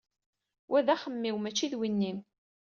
Wa d axemmem-iw mačči d win-im.